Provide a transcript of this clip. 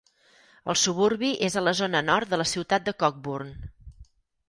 El suburbi és a la zona nord de la ciutat de Cockburn.